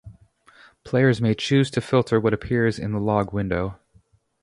Players may choose to filter what appears in the log window.